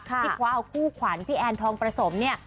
ที่คว้าเอาคู่ขวัญพี่แอนทองประสมเนี่ย